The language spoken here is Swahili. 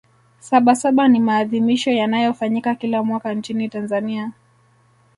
sabasaba ni maadhimisho yanayofanyika kila mwaka nchini tanzania